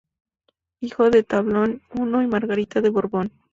Hijo de Teobaldo I y Margarita de Borbón.